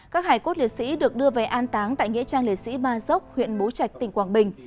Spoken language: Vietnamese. các hải cốt liệt sĩ được đưa về an táng tại nghĩa trang liệt sĩ ba dốc huyện bố trạch tỉnh quảng bình